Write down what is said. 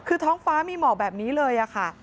คือท้องฟ้ามีหมอกแบบนี้เลยค่ะ